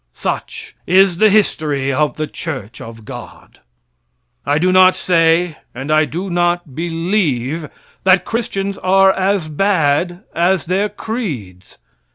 Such is the history of the church of God. I do not say, and I do not believe, that Christians are as bad as their creeds.